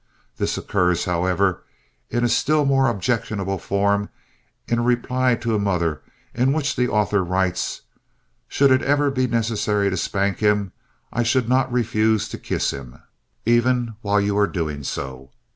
This occurs, however, in a still more objectionable form in a reply to a mother, in which the author writes, "Should it ever be necessary to spank him I should not refuse to kiss him, even while you are doing so.